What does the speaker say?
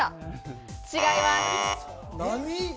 違います。